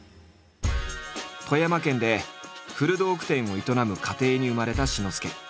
富山県で古道具店を営む家庭に生まれた志の輔。